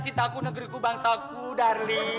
cintaku negeriku bangsaku darling